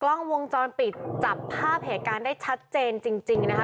กล้องวงจรปิดจับภาพเหตุการณ์ได้ชัดเจนจริงนะคะ